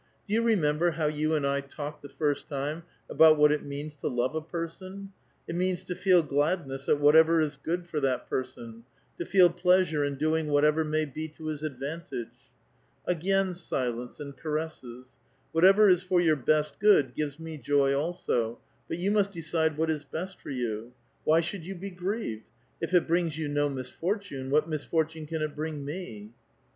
" Do you remember how you and I talked the first time about what it means to love a person ? It means to feel gladness at whatever is good for that person, to feel pleasure in doing whatever may be to his advantage." — Again silence and carpfisos — "Whatever is for your best good gives me joy also ; but you must decide what is best for you. Why should you be grieved? If it brings you no misfortune, what misfortune can it bring me?"